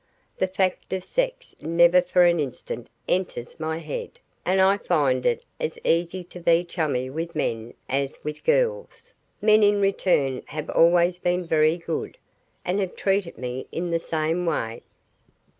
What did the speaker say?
The fact of sex never for an instant enters my head, and I find it as easy to be chummy with men as with girls: men in return have always been very good, and have treated me in the same way.